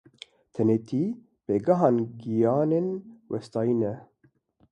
Tenêtî pêgeha giyanên westiyayî ye.